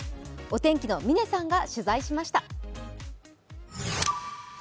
お天気の嶺さんが取材しました。